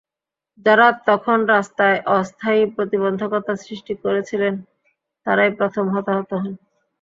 যাঁরা তখন রাস্তায় অস্থায়ী প্রতিবন্ধকতা সৃষ্টি করছিলেন, তাঁরাই প্রথম হতাহত হন।